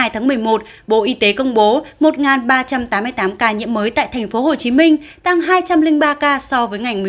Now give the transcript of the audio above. tháng một mươi một bộ y tế công bố một ba trăm tám mươi tám ca nhiễm mới tại thành phố hồ chí minh tăng hai trăm linh ba ca so với ngày